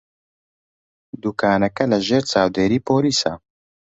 دوکانەکە لەژێر چاودێریی پۆلیسە.